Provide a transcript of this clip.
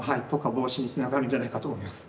防止につながるんじゃないかと思います。